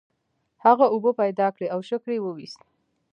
هغه اوبه پیدا کړې او شکر یې وویست.